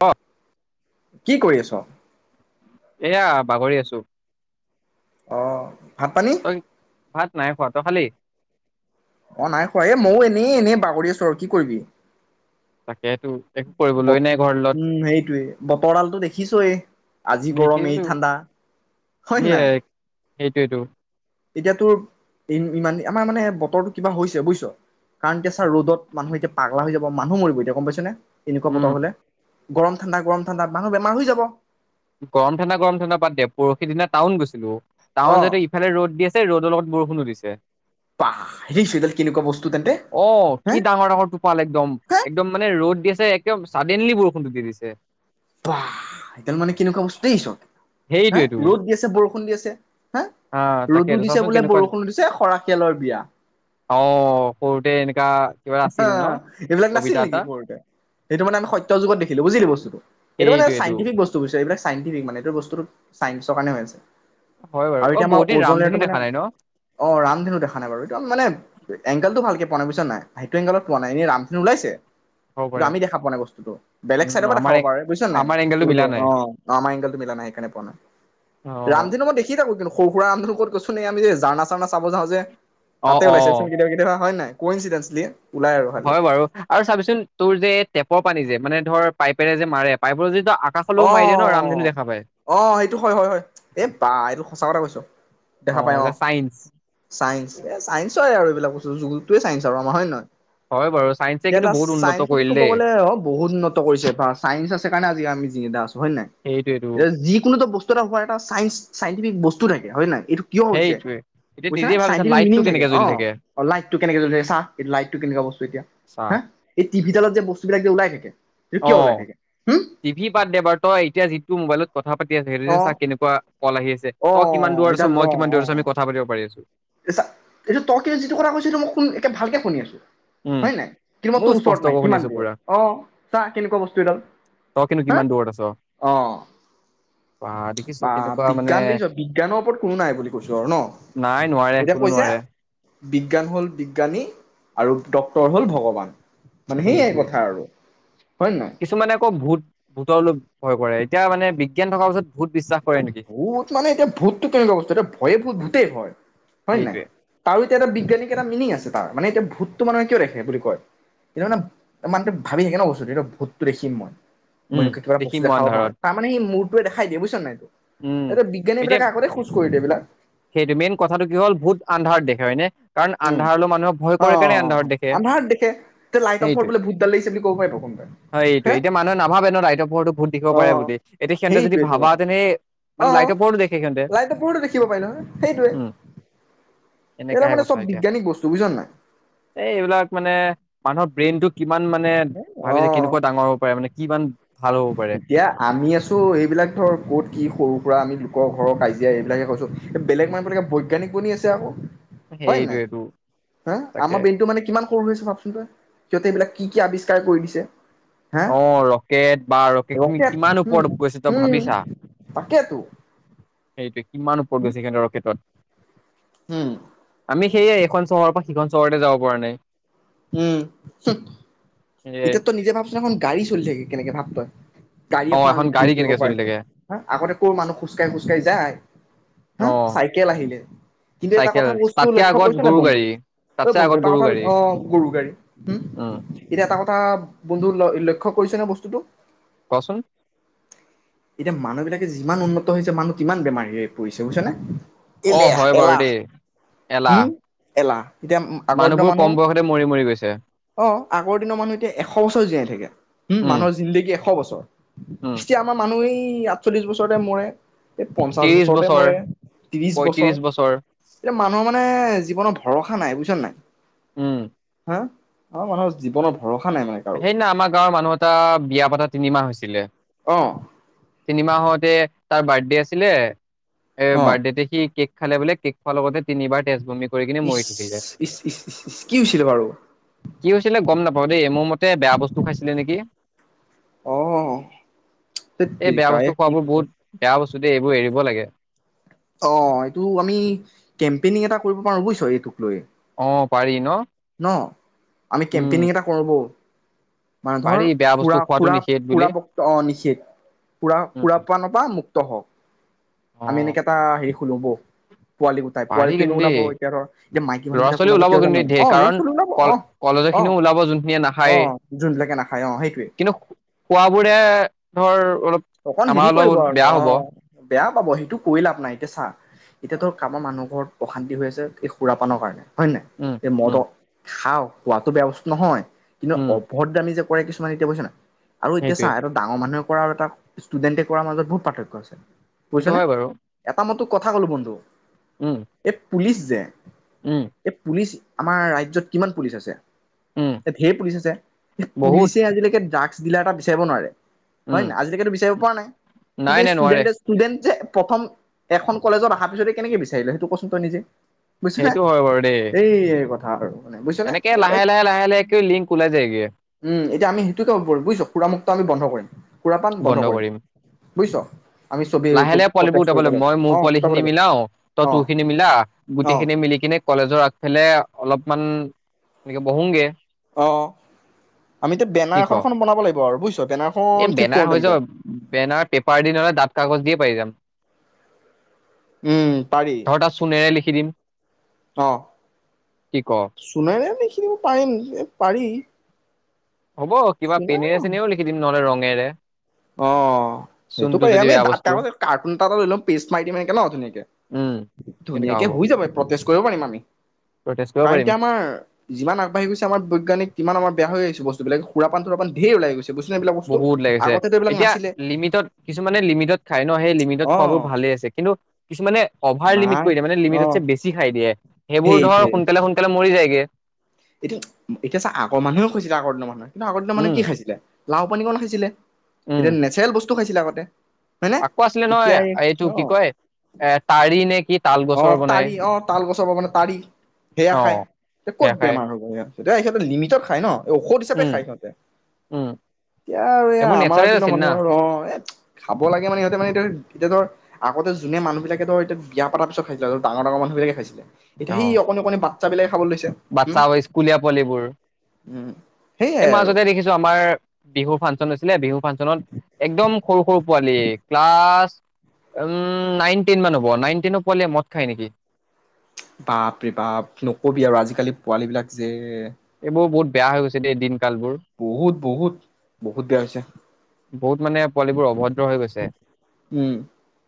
ব কি কৰি আছ? এয়া বাগৰি আছো। অ ভাত পানী তই ভাত নাই খোৱা তই খালি? অ নাই খোৱা। এ মইয়ো এনেই এনেই বাগৰি আছোঁ আৰু কি কৰিবি। তাকেতো একো কৰিবলৈ নাই ঘৰ তলত উম সেইটোৱে বতৰডালতটো দেখিছই আজি গৰম এই দেখিছো ঠাণ্ডা হয় নে নাই। সেইটোৱেটো এতিয়াতো ই ইমান আমাৰ মানে বতৰটো কিবা হৈছে বুজিছ কাৰণ এতিয়া ছাৰ ৰ'দত মানুহ এতিয়া পাগলা হৈ যাব মানুহ মৰিব এতিয়া গম পাইছ নে। এনেকুৱা উম বতৰ হলে। গৰম ঠাণ্ডা গৰম ঠাণ্ডা মানুহ বেমাৰ হৈ যাব গৰম ঠাণ্ডা গৰম ঠাণ্ডা বাদ দে পৰহি দিনা টাউন গৈছিলো। অ টাউন যাওতে ইফালে ৰ'দ দি আছে ৰদৰ লগত বৰষুণো দিছে। যে বাহ দেখিছ এইডাল কেনেকুৱা বস্তু তেন্তে অ হে কি ডাঙৰ ডাঙৰ টোপাল একদম হে একদম মানে ৰ'দ দি আছে একে চাডেনলি বৰষুণ দি দি দিছে। পাহ ত মানে কেনেকুৱা বস্তু দেই এই চব হা সেইটোৱেতো ৰ'দ দি আছে বৰষুণ দি আছে হা ৰ'দো তাকেতো দিছে চাচোন বোলে কেনেকুৱা বৰষুণো দিছে খৰাশিয়ালৰ বিয়া। অ কওঁতে এনে অ এইবিলাক নাছিল এটা নেকি সৰুতে সেইটো মানে আমি সত্য যুগত দেখিলো বুজিলি বস্তুটো এইটো মানে সেইটোৱেটো চাইণ্টিফিক বস্তু বিুছছে এইবিলাক চাইণ্টিফিক মানে এইটো বস্তুটো চাইন্ঞ্চৰ কাৰণে হৈ আছে। হয় বাৰু আৰু অ এতিয়া আমাৰ বহুত দিন ৰামধেনু ওজনাৰটো মানে দেখা নাই ন অ ৰামধেনু দেখা নাই বাৰু এতিয়া মানে এংকেলটো ভালকে পোৱানাই, বুজিছ নে নাই? সেইটো এংগেলত পোৱা নাই, এনে ৰামধেনু ওলাইছে। কিন্তু সৰুৰে আমি দেখা পোৱা নাই বস্তুটো, বেলেগ উম চাইডৰ পৰা দেখাব আমাৰে পাৰে বুজিছোঁ নে নাই, আমাৰ এংগেলটো মিলা নাই। [unintelligible] অ, আমাৰ এংগেলেটো মিলা নাই সেইকাৰণে পোৱা নাই, অ ৰামধেনু মই দেখিয়ে থাকো কি সৰু সুৰা আমি [unintelligible] ক'ত গৈছোঁ নে আমি যে জাৰণা চাৰণা চাব যাওঁ যে। অ তাতে উলাইছ চোন কেতিয়াবা কেতিয়াবা হয় নাই? কইঞ্চিদেঞ্চেলি। হয় বাৰু, আৰু চাবিচোন তোৰ যে টেপৰ পানী যে, মানে ধৰ পাইপেৰে যে মাৰে পাইপৰ যে অ', অ, অ, সেইটো হয় হয় হয় এ বা এইটো সঁচা কথা কৈছো, দেখা পাই অ, এ চাইন্স। চাইন্স এ চাইন্সই হয় আৰু এইবিলাক বচ য যুগুলটোৱে চাইন্স আৰু আমাৰ, হয় নে নহয়? হয় বাৰু চাইন্সে এতিয়া কিন্তু তাৰ বহুত উন্নত চাইন্স বুলি কৰিল ক'ব দেই। গ'লে আৰু বহুত উন্নত কৰিছে বা চাইন্স আছে কাৰণে আজি আমি [unintelligible] আছোঁ হয় নে, সেইটোৱেটো। এ যিকোনো এটা বস্তু এটা হব এটা চাইনচ চাই [unintelligible] বস্তু থাকে হয় নাই? এইটো কিয় হৈছে, সেইটোৱে এতিয়া বুজিছ নে নিজে ভাবিছা চাইটিফিক লাইটটো মিনিং থাকে কেনেকে অ, জ্বলি লাইটটো কেনেকে জ্বলে চা লাইটটো কেনেকুৱা বস্তু এতিয়া, চা হা, এই টিভিডালত যে বস্তুবিলাক যে উলাই থাকে এইটো অ কিয় ওলাই থাকে, হুম? টিভি বাদ দে বা তই এতিয়া যিটো মোবাইলত কথা পাতি আছে অ [unintelligible] চা কেনেকুৱা, কল আহি পিছে, অ তই কিমান দূৰত আছ মই কিমান দূৰত আছোঁ আমি কথা পাতিব পাৰি আছো। এতিয়া চা, এইটো তই [unintelligible] যিটো কথা কৈছে এইটো মই শু একে ভালকে শুনি আছো। উম হয় নে, কিন্তু মই ময়ো তোৰ ওচৰত নাই স্পষ্টকৈ শুনি কিমান আছো দূৰত, পুৰা অ, চা কেনেকুৱা বস্তু এডাল, তই কিন্তু হা, কিমান দূৰত আছ। অ, বা দেখিছ বাহ কেনেকুৱা মানে বিজ্ঞান দেখিছোঁ বিজ্ঞানৰ ওপৰত কোনো নাই বুলি কৈছো আৰু নাই ন', নোৱাৰে এতিয়া কোনো কৈছে নোৱাৰে বিজ্ঞান হ'ল বিজ্ঞানী। আৰু ডক্তৰ হ'ল ভগৱান। মানে সেইয়াই সেইটোৱে কথা আৰু। হয় নে নহয় কিছুমানে আকৌ ভূত, ভূতৰলৈ ভয় কৰে। এতিয়া মানে বি এ ভূত মানে এতিয়া ভূতটো কেনেকুৱা বস্তু এতিয়া ভয়ে ভূত ভূতেই হয়, হয় নে নাই, সেইটোৱে তাৰো এতিয়া এটা বিজ্ঞানিক এটা মিনিং আছে। তাৰ, মানে এতিয়া ভূতটো মানে মানুহে কিয় দেখে বুলি কয়? কিন্ত মানে, মানহে ভাবি থাকে ন বস্তুটো এতিয়া ভূতটো দেখিম মই। মই উম এনেকোৱা কিবা বস্তু দেখিম মই দেখাব পাৰো, আন্ধাৰত তাৰ মানে ই মো তই দেখাই দিয়া বুজছ নাই ত উম এতিয়া বিজ্ঞানী এতিয়া বিলাক আগতে খোজ কৰি দেিয় এইবিলাক [unintelligible] সেইটো মেইন কথাটো কি হ'ল ভূত আন্ধাৰ দেখে হয় নে কাৰণ উম আন্ধাৰলৈ মানুহে ভয় অ কৰে কাৰণে অ' আন্ধাৰত অ' দেখে আন্ধাৰত দেখে তে লাইটৰ পোহৰত এইটোৱে বোলে ভূত ডাল লাগিছে বুলি ক'ব পাৰিব কোনোবাই হয় এইটোৱে হে এতিয়া মানুহে নাভাবে ন অ [unintelligible] ভুত দেখিব অ পাৰে বুলি এতিয়া সিহঁতে যদি সেইটোৱেটো ভাবা কথা তেনে অ মানে লাইটৰ পোহৰতো দেখে সিহঁতে লাইটৰ পোহৰতো দেখিব পাৰিলে হয় সেইটোৱে উম এইবিলাক এনেকাহে মানে কথা চব এতিয়া বিজ্ঞানিক বস্তু বুজিছ নাই এই এইবিলাক মানে মানুহ ব্ৰেইনটো কি কিমান মানে ভাবিছে অ কেনেকুৱা ডাঙৰ হ'ব পাৰে মানে কিমান ভাল হ'ব পাৰে এতিয়া আমি আছো এইবিলাক ধৰ ক'ত কি সৰু বা আমি লোকক ঘৰ কাজিয়া এইবিলাকে কৈছো এই বেলেগ মানুহবিলাকে বৈজ্ঞানিক বনি আছে আক হয় নাই সেইটোৱেটো হা আমাৰ তাকে ব্ৰেইনটো মানে কিমান ভাবচোন তই সিহতে এইবিলাক কি কি আৱিষ্কাৰ কৰি দিছে হা অ ৰকেট বাৰ তুমি [unintelligible] ৰকেট কিমান উম ওপৰত গৈছা তই উম ভাবিছা তাকেতো সেইটোয়ে ইমান ওপৰত গৈছে সেতৰ ৰেকেটত উম আমি সেইয়াই এখন চহৰৰ পৰা সিখন চৰতে যাব পৰা নাই উম এ এতিয়া তই নিজে ভাব না এখন [unintelligible] গাড়ী চলি থাকে কেনেকে ভাব তই গাড়ী অ এখনো এখন আমি ঘূৰি গাড়ী ফুৰিব কেনেকে চলি পাৰিছো থাকে হা আগতে ক মানুহ খোজকাঢ়ি খোজকাঢ়ি যায় হা অ চাইকেল আহিলে কিন্তু এটা চাইকেল কথা বস্তু তাতকে লক্ষ্ আগত কৰিছ নাই গৰু বন্ধু গাড়ী ঐ তাতছে বন্ধু আগত এটা গৰু কথা গাড়ী অ গৰু গাড়ী হয় উম এতিয়া এটা কথা বন্ধু ল লক্ষ্য় কৰিছ নে বস্তুটো কচোন এতিয়া মানুহ বিলাকে যিমান উন্নত হৈছে মানুহ কিমান বেমাৰী হৈ পৰিছে বুইছ নে অ এলাহ হয় বাৰু এলাহ দেই এলাহ হম এলাহ এতিয়া আগৰ দিনৰ মানুহবোৰ মানুহ কম বয়সতে মৰি মৰি গৈছে অ আগৰ দিনৰ মানুহ এতিয়া এশ বছৰ জীয়াই থাকে হম উম মানুহৰ জিন্দাগী এশ বছৰ উম টো [unintelligible] আমাৰ মানুহ এই আঠচল্লিশ বছৰতে মৰে এই পঞ্চাশ ত্ৰিশ বছৰতে বছৰ মৰে ত্ৰিশ বছৰ এতিয়া মানুহৰ মানে জীৱনত ভৰসা নাই বুজিছ নাই উম আ, অ মানুহৰ জীৱনত- সেইদিনা আমাৰ গাঁৱৰ মানুহ এটা, বিয়া পতা তিনিমাহ হৈছে। ছিলে- অ। তিনিমাহতে তাৰ বাৰ্থডে আছিলে- এ অ বাৰ্থডেতে সি কেক- খালে বোলে, কেক খোৱাৰ লগতে তিনিবাৰ তেজ বমি - কৰি কিনে ইচ মৰি থাকি যায়, ইচ ইচ ইচ ইচ কি হৈছিলে বাৰু কি হৈছিলে গম নাপাওঁ দেই মোৰ মতে- বেয়া বস্তু খাইছিলে নেকি? অ ধেত এই বেয়া তেৰিকা এ বস্তু কি খোৱাবোৰ কথা। বহুত বেয়া বস্তু- দেই এইবোৰ এৰিব লাগে। অ এইটো আমি কেম্পেইনিং এটা কৰিব পাৰো বুজিছ এইটো- অ পাৰি ন ন, আমি উম কেম্পেইনিং এটা কৰো ব - মানে ধৰ, পাৰি বেয়া সু বস্তু খোৱাটো সুৰা নিষেধ বুলি সুৰা বক্ত অ নিচিত, সুৰা উম, সুৰা পোৱা নোপোৱা মুক্ত- অ হ- অ আমি এনেকে এটা হেৰি শুনো ব- [unintelligible] পাৰি কিন্তু দেই, মাইকী মানুহ ল'ৰা বিলাক ছোৱালী ওলাব কিয় জান কিন্তু ঢেৰ অ', ল'ৰা কাৰণ ছোৱালী ওলাব ক অ', কলেজৰ অ', খিনিও ওলাব যোনখিনিয়ে নাখায় অ', যোনবিলাকে নাখায় অ', সেইটোৱে। কিন্তু খোৱাবোৰে ধৰ অলপ- অকন হেৰি আমাৰ কৰিব অলপ আৰু বেয়া হ'ব অ- বেয়া পাব সেইটো কৰিলা লাভ নাই এতিয়া চা, এতিয়াতো আমাৰ মানুহ ঘৰত অশান্তি হৈ আছে এই সুৰাপানৰ কাৰণে- হয় নাই, উম এই উম মদত- খাও, খোৱাতো বেয়া বস্তু নহয়। কিন্তু উম অভদ্ৰামি যে- কৰে কিছুমান, এতিয়া বুজিচ নে আৰু এতিয়া চা, সেইটোৱে এটা ডাঙৰ মানুহে কৰাৰ এটা- ষ্টুডেণ্টে কৰাৰ মাজত বহুত পাৰ্থক্য আছে। সেইটো বুজিছেনে হয় বাৰু এটা মত- কথা কলো বন্ধু। উম। এই পুলিচ যে- উম এই পুলিচ- আমাৰ ৰাজ্যত কিমান পুলিচ আছে? উম এ ঢেৰ পুলিচ আছে, বহুত পুলিচে আজিলৈকে ড্ৰাগ- স্থলী [unintelligible] এটা বিচাৰিব নোৱাৰে হয় উম ন আজি কালি লোকোৱা নাই কিন্তু নাই নাই ষ্টুডেন নোৱাৰে যে ষ্টুডেন যে প্ৰথম এখন কলেজত অহাৰ পিছতে কেনেকে বিচাৰিলে সেইটো কচোন তই নিজে সেইটো হয় বাৰু দেই ভ আৰু মানে বুজিছ নে এনেকে এইবিলাক লাহে লাহে লাহে লাহেকে লিংক ওলাই যায়গে উম এতিয়া আমি সেইটোকে বুজিছ সুৰামুক্ত আমি বন্ধ কৰিম। সুৰাপান বন্ধ কৰিম। বুইছ লাহে লাহে পোৱালীবোৰ উলাব লাগিব মই মোৰ পোৱালি ফুটাব খিনি লাগিব মিলাও তই অ তোৰ খিনি মিলা অ গোটেই খিনি মিলি কিনে কলেজৰ আগ ফালে অলপমান এনেকৈ বহোংগে অ আমি এতিয়া কি বেনাৰ এখন ক এখন বনাব লাগিব আৰু বুজিছ এই বেনাৰখন ঠিক বেনাৰ কৰো হৈ যাব তেন্তে বেনাৰ পেপাৰ দি নহ'লে দাঁত কাগজ দিয়ে পাৰি যাম। উম পাৰি ধৰ তাত চোনেৰে দিম অ কি ক চুণেৰে লিখিব পাৰিম পাৰি হ'ব কিবা পেনেৰে চুনেৰে চেনেও লিখি দিম নহলে ৰং পেনেৰে অ সেইটো পাৰি আমি বেয়া ডাঠ বস্তু কাৰ্টুন এটা এ লৈ লম পেষ্ট মাৰি দিম এনেকে ন ধুনীয়াকে উম কেনেকা ধুনীয়াকে হ'ব হৈ যাব প্ৰটেষ্ট কৰিব পাৰিম আমি প্ৰটেষ্ট কৰিব কাৰণ পাৰিম এতিয়া আমাৰ যিমান আগবাঢ়ি গৈছে আমাৰ বৈজ্ঞানিক কিমান আমাৰ বেয়া হৈ আহিছে বস্তু তো বেলেগ সুৰাপান চুৰাপান ঢেৰ ওলাই গৈছে বুইছা এইবিলাক বস্তু বহুত লাগিছে আগত এতিয়া লিমিটত কিছুমানে লিমিটত খাই ন সেই লিমিটত অ খোৱাবোৰ ভালেই আছে কিন্তু কিছুমানে অভাৰ লিমিট নাই কৰি দিয়ে মানে অ লিমিটকে বেছি খাই দিয়ে। সেইবোৰ ধৰ সেইটোৱে সোনকালে সোনকালে মৰি যায় যায় গে এতিয়া এতিয়া চা আগৰ মানুহে খাইছিলে আগৰ দিনৰ মানুহে কিন্তু আগৰ দিনৰ মানুহে উম কি খাইছিলে লাও পানীকণ খাইছিলে। উম এতিয়া নেচাৰেল বস্তু টো খাইছিলে আগতে হয়নে আকৌ আছিলে নহয় এতিয়া এই এইটো অ কি কয় এ তাৰি নে কি? তাল অ গছৰ বনাই তাৰি অ তাল গছৰ পা মানে তাৰি সেয়া অ খাই ক'ত সেয়া খাই বেমাৰ হ'ব সিহত গোটেই সিহতবোৰ লিমিটত খাই ন, ঔষধ হিচাপে উম খাই সিহঁতে উম এতিয়া আৰু এ এইবোৰ আমাৰ নেচাৰেল দিনৰ আছিল মানুহ না আৰু অ এ খাব লাগে মানে সিহঁতে মানে এতি এতিয়া ধৰ আগতে যোনে মানুহ বিলাকে ধৰ এতিয়া বিয়া ৰ পিছত খাইছিলে আৰু ডাঙৰ ডাঙৰ মানুহবিলাকে খাইছিলে এতিয়া অ সি অকণি অকণি বাচ্ছা বিলাকে খাবলৈ লৈছে হম বাচ্ছা স্কুলীয়া পোৱালিবোৰ উম সেইয়াই এই আৰু মাজতে দেখিছো আমাৰ বিহু ফাঙ নাছিলে বিহু ফাংচনত একদম সৰু সৰু পোৱালি ক্লাছ উম নাইন টেন মান হ'ব নাইন টেনৰ পোৱালিয়ে মদ খাই নেকি বাপৰে বাপ নকবি আৰু আজিকালি পোৱালী বিলাক যে এইবোৰ বহুত বেয়া হৈ গৈছে দে দিন কালবোৰ বহুত বহুত বহুত বেয়া হৈছে বহুত মানে পোৱালিবোৰ অভদ্ৰ হৈ গৈছে উম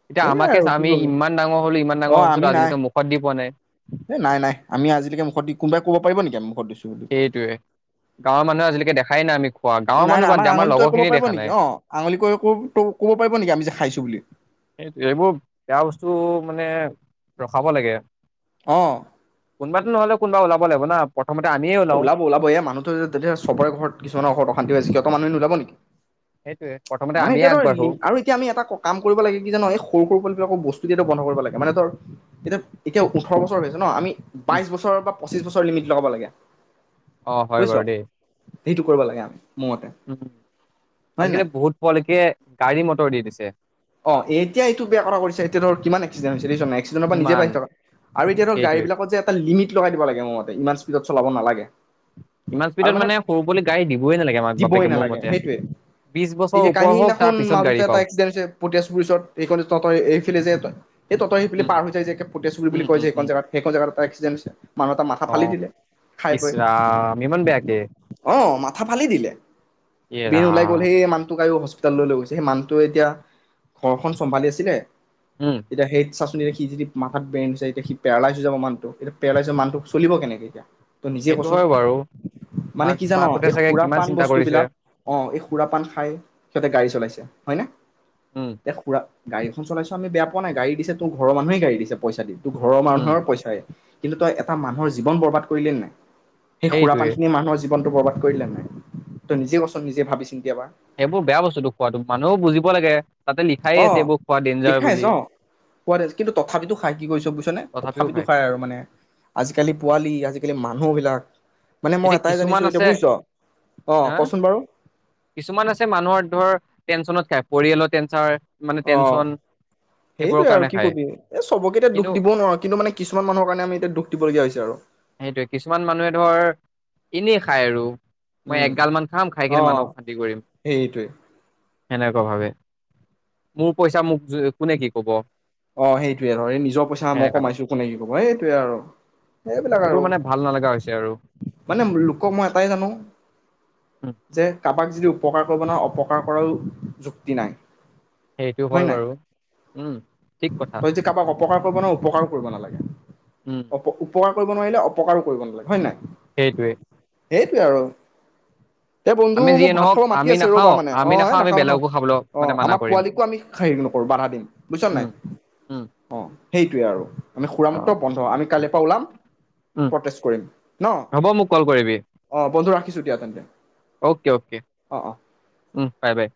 এতিয়া সেইয়াই আমাকে আৰু কি আমি কবি ইমান ডাঙৰ হলো ইমান অ ডাঙৰ হোৱাৰ পিছত আমি নাই আজিলৈকে মুখত দি পোৱা নাই এ নাই নাই আমি আজিলৈকে মুখত দি কোনোবাই কব পাৰিব নি কো মুখত দিছো সেইটোয়ে গাঁৱৰ মানুহে আজিলৈকে দেখা খাই না আমি খোৱা গাঁৱৰ নাই মানুহ নাই বাদ আমাক দে আমাৰ আঙুলি লগৰ তোৱাই কব খিনি পাৰিব দেখা নেকি নাই অ আঙুলি কৈ কব পাৰিব নেকি আমি যে খাইছো বুলি সেইটোৱে এইবোৰ বেয়া বস্তু মানে ৰখাব লাগে অ কোনোবাটো নহ'লে কোনবা ওলাব লাগিব না প্ৰথমতে আমিয়ে এ ওলাও ওলাব ওলাব এয়া মানুহতো যেতিয়া চবৰে ঘৰত কিছুমান ঘৰত অশান্তি হৈছে মানুহখিনি নোলাব নেকি সেইটোৱে প্ৰথমতে মানে আমিয়ে এতিয়া ধৰ আগবাঢ়ো আৰু এতিয়া আমি এটা কাম কৰিব লাগে কি জানো এই সৰু সৰু পোৱালিবিলাকৰ বস্তু কিন্তু এতিয়া বন্ধ কৰিব লাগে মানে তোৰ এতিয়া এতিয়া ওঠৰ বছৰ হৈছে ন আমি বাইশ বছৰৰ পা পঁচিছ বছৰ লিমিট লাগাব লাগে অ হয় বুজিছ বাৰু দেই সেইটো কৰিব লাগে আমি মোৰ মতে উম হয় নাই আজিকালি বহুত পোৱালকে গাড়ী মটৰ দি দিছে অ এতিয়া এইটো বেয়া কথা কৰিছে এতিয়া ধৰ কিমান এক্সিডেণ্ট হৈছে দেখিচনে নাই এস্কিডেন্টৰ পৰা নিজে কিমান বাছি থকা আৰু এতিয়া ধৰ গাড়ী সেইটোৱে বিলাক যে এটা লিমিট লগ দিব লাগে মোৰ মতে ইমান স্পীডত চলাব নালাগে ইমান স্পীডত মানে সৰু বুলি গাড়ী দিবই নালাগে মাক দিবই বাপেকে মোৰ নালাগে মতে সেইটোৱে বিশ বছৰ এতিয়া ওপৰ হওক তাৰ পিছত গাড়ী পাওক তাৰ পিছত ক তই এইফিলে যে তই এ [unintelligible] আহি পেলাই উম পাৰ হৈ যায় যে পুতেশপুৰি বুলি উম কয় যে উম সেইখন উম জেগাত সেইখন জেগাতোটো তাত এক্সিডেণ্ট হৈছে, মানুহ এটা মাথা অ ফালি দিলে, খাই ইচ বৈ, ৰাম ইমান বেয়াকে অ, মা মাথা ফালি দিলে? এ বেন ওলাই গ'ল ৰাম সেই মানুটোক আৰু হস্পিতাললৈ লয় গৈছে সেই মান ত এতিয়া ঘৰখন চম্ভালি আছিলে। উম এতিয়া সেই চাচোন এতিয়া সি যদি মাথাত [unintelligible] হৈছে এতিয়া সি পেৰেলাইজ হৈ যাব মানুহ টো এতিয়া পেৰেলাইজ হলে মানুটো চলিব কেনেকে এতিয়া। ত নিজে সেইটো কচোন হয় বাৰু মানে মাক কি জান মাকহঁতে এই চাগে সুৰা কিমান পান চিন্তা বস্তু কৰিছে বিলাক অ' সুৰা পান খাই সিহঁতে গাড়ী চলাইছে হয়নে। উম এ সুৰা গাড়ীখন চলাইছ আমি বেয়া পোৱা নাই গাড়ি দিছে তোৰ ঘৰৰ মানুহে ঘাৰি দিছে পইচা দি। ঘৰৰ উম মানুহৰ পইচাই কিন্তু তই এ এটা মানুহৰ জীৱন বৰবাদ কৰিলে নাই। সেই সুৰাপান সেইটোৱে খিনি মানুহৰ জীৱন বৰবাদ কৰিদিলে নাই তই নিজে কচোন নিজে ভাবি চিন এইবোৰ বেয়া বস্তুটো তো খোৱাটো মানুহও বুজিব লাগে। তাতে লিখায়ে আছে অ' এইবোৰ খোৱা ডেঞ্জাৰ লিখাই বুলি আছে অ', [unintelligible] কিন্তু তথাপিতো খাই কি কৰিছে বুইছ নে তথাপিও তথাপিতো খায় খাই আৰু মানে আজিকালি পোৱালি আজি এ মানুহ বিলাক এতিয়া কিছুমান আছে অ' হা কচোন বাৰু কিছুমান আছে মানুহৰ ধৰ টেনচনত খাই পৰিয়ালৰ। [unintelligible] অ', টেনচন সেইবোৰৰ সেইটোৱে কাৰণে আৰু কি খায় কবি এই চবকে এতিয়া কিন্তু দুখ দিবও নোৱাৰো কিন্তু মানে কিছুমান মানুহৰ কাৰণে আমি এতিয়া দুখ দিবলগীয়া হৈছে। [unintelligible] সেইটোৱে কিছুমান মানুহে ধৰ এনেই খায় আৰু মই উম এগাল মান খাম খাই কিনে অ' মানুহক অশান্তি কৰিম। সেইটোৱে সেনেকুৱা ভাবে মোৰ পইচা মোক কোনে কি কব। অ' সেইটোৱে হয় আৰু এই নিজৰ পইচা মই সেনেকা টাইপ কমাইছো কোনে কি কব এইটোৱে আৰু এইবোৰ আৰু মানে ভাল নালাগা হৈছে আৰু মানে লোকক মই এটাই জানো উম যে কাবাক যদি উপকাৰ কৰিব ন অপকাৰ কৰাও যুক্তি নাই। সেইটো হয় বাৰু। উম। ঠিক কথা তই যদি কাৰবাক অপকাৰ কৰিব নোৱাৰ উপকাৰো কৰিব নালাগে। উম উপকাৰ কৰিব নোৱাৰিলে অপকাৰো কৰিব নালাগে। হয় নাই? সেইটোৱে সেইটোৱে আৰু এ বন্ধু আমি মোক যিয়ে ভাত নহওক খাব মাতি আমি আছে ৰ'বা নাখাও মানে, অ আমি এ নাখাও আমি নাখাওঁ-নাখাওঁ, বেলেগকো খাবলৈ অ মানে মানা আমাৰ কৰিম পোৱালিকো আমি হেৰি নকৰো, বাধা দিম, বুজিছা নাই? উম উম অ সেইটয়ে আৰু, আমি অ সুৰামুক্ত বন্ধ, আমি কায়লে পা ওলাম উম প্ৰটেষ্ট কৰিম ন হ'ব মোক কল কৰিবি, অ বন্ধু ৰাখিছো দিয়া তেন্তে অ'কে-অ'কে অ অ উম বাই-বাই।